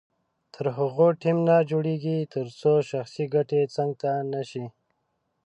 تر هغو ټیم نه جوړیږي تر څو شخصي ګټې څنګ ته نه شي.